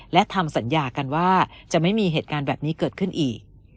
และทำสัญญากันว่าจะไม่มีเหตุการณ์แบบนี้เกิดขึ้นอีก